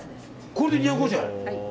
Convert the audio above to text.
これで２５０円？